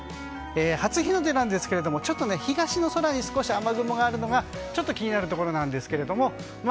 初日の出なんですがちょっと東の空に少し雨雲があるのが気になるところなんですけども。